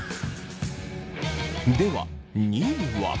では２位は。